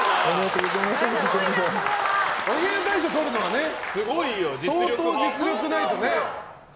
大賞とるのは相当実力ないとね。